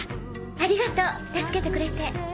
ありがとう助けてくれて。